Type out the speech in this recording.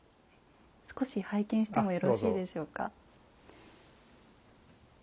少し拝見してもよろしいでしょうか。